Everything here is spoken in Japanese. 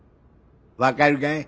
分かるかい？